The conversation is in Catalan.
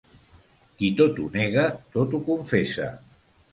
Qui tot ho nega, tot ho confessa.